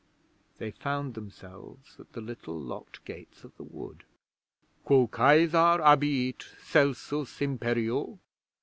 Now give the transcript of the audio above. They found themselves at the little locked gates of the wood. 'Quo Cæsar abiit celsus imperio?